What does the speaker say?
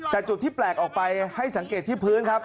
แต่จุดที่แปลกออกไปให้สังเกตที่พื้นครับ